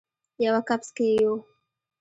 یوه کپس کې یو